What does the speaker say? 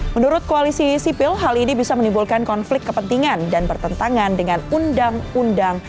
menurut koalisi sipil hal ini bisa menimbulkan konflik kepentingan dan bertentangan dengan undang undang